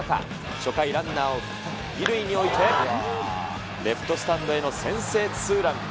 初回、ランナーを２塁に置いて、レフトスタンドへの先制ツーラン。